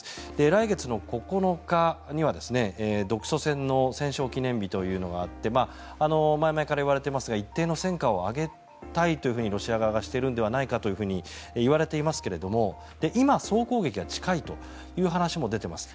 来月９日には独ソ戦の戦勝記念日というのがあって前々から言われていますが一定の戦果を上げたいとロシア側がしているのではないかと言われていますが今、総攻撃が近いという話も出ています。